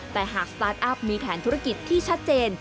แต่หากสตาร์ทอัพมีแผนธุรกิจที่ชัดเจน